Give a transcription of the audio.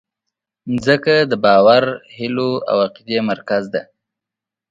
مځکه د باور، هیلو او عقیدې مرکز ده.